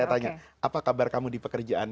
saya tanya apa kabar kamu di pekerjaan